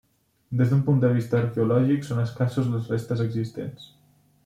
Des d'un punt de vista arqueològic són escassos les restes existents.